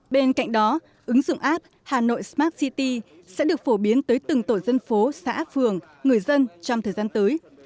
bên cạnh đó ứng dụng app hà nội smart city sẽ được phổ biến tới từng tổ dân phố xã phường người dân trong thời gian tới